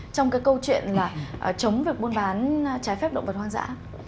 trong cái câu chuyện là chống việc buôn bán trái phép động vật hoang dã